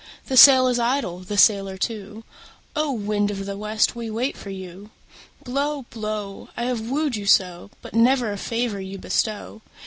The sail is idle, the sailor too; O! wind of the west, we wait for you. Blow, blow! I have wooed you so, But never a favour you bestow.